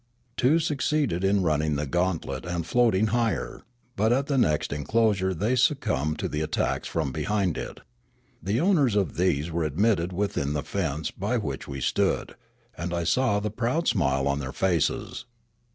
Two succeeded in running the gauntlet and floating higher ; but at the next enclosure they succumbed to the attacks from behind it. The owners of these were admitted within the fence by which we stood ; and I saw the proud smile on their faces.